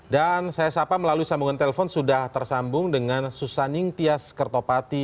dan saya sapa melalui sambungan telepon sudah tersambung dengan susaning tias kertopati